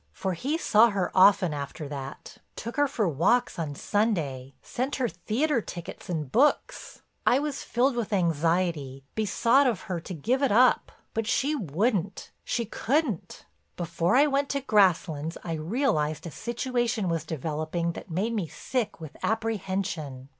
For he saw her often after that, took her for walks on Sunday, sent her theater tickets and books. I was filled with anxiety, besought of her to give it up, but she wouldn't, she couldn't. Before I went to Grasslands I realized a situation was developing that made me sick with apprehension.